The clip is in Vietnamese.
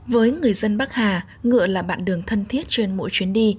với người dân bắc hà ngựa là bạn đường thân thiết trên mỗi chuyến đi